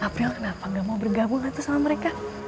april kenapa gak mau bergabungan tuh sama mereka